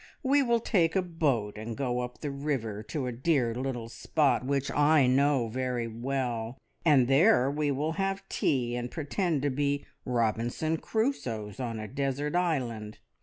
We will take a boat and go up the river to a dear little spot which I know very well, and there we will have tea and pretend to be Robinson Crusoes on a desert island.